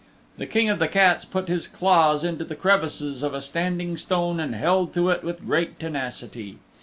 The King of the Cats put his claws into the crevices of a standing stone and held to it with great tenacity.